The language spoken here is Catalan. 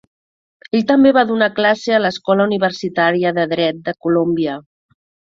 Ell també va donar classe a l'Escola universitària de Dret de Columbia.